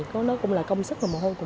có đó cũng là công việc